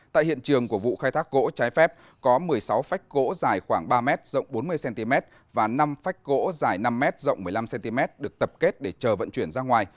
tại hiện trường của vụ khai thác gỗ trái phép có một mươi sáu phách gỗ dài khoảng ba m rộng bốn mươi cm và năm phách gỗ dài năm m rộng một mươi năm cm được tập kết để chờ vận chuyển ra ngoài